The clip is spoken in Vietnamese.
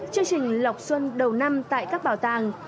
chương trình lọc xuân đầu năm tại các bảo tàng